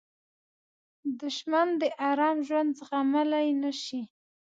دښمن د آرام ژوند زغملی نه شي